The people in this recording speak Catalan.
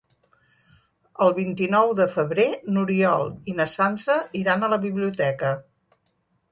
El vint-i-nou de febrer n'Oriol i na Sança iran a la biblioteca.